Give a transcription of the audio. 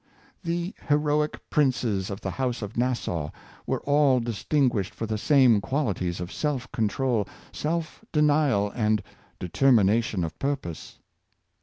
The heroic princes of the house of Nassau were all distinguished for the same qualities of self control, self denial, and determination of purpose.